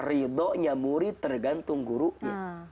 ridonya murid tergantung gurunya